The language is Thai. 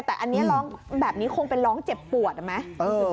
แต่อันนี้ร้องแบบนี้คงเป็นร้องเจ็บปวดนะ